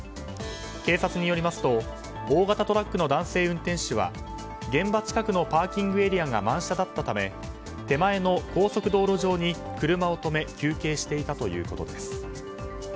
警察によりますと大型トラックの男性運転手は現場近くのパーキングエリアが満車だったため手前の高速道路上に休憩していたということです。